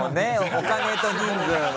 お金と人数の。